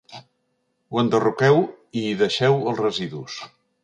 Ho enderroqueu i hi deixeu els residus.